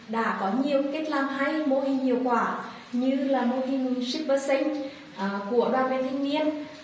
đã có nhiều cách làm hay mô hình hiệu quả như là mô hình shipper xanh của đoàn thanh niên